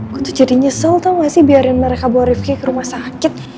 gue tuh jadi nyesel tau gak sih biarin mereka bawa rifki ke rumah sakit